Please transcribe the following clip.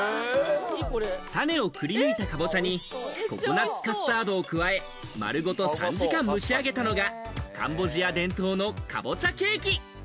種をくりぬいたかぼちゃにココナッツカスタードを加え、丸ごと３時間蒸し上げたのがカンボジア伝統のかぼちゃケーキ。